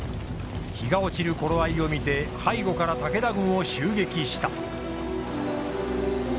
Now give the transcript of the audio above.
日が落ちる頃合いを見て背後から武田軍を襲撃した。